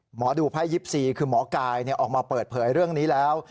หมอดูไพ่๒๔คือหมอกายออกมาเปิดเผยเรื่องนี้แล้ว